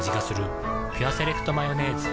「ピュアセレクトマヨネーズ」